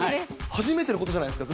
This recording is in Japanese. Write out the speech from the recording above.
初めてのことじゃないですか？